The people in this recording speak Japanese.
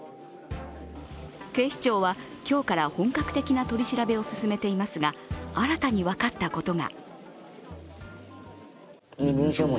警視庁は、今日から本格的な取り調べを進めていますが、新たに分かったことが。